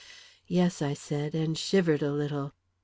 "Yes," I said, and shivered a little.